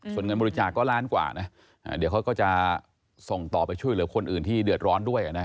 ส่วนเงินบริจาคก็ล้านกว่านะเดี๋ยวเขาก็จะส่งต่อไปช่วยเหลือคนอื่นที่เดือดร้อนด้วยนะ